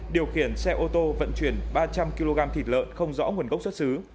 điều khiển xe ô tô vận chuyển ba trăm linh kg thịt lợn không rõ nguồn gốc xuất xứ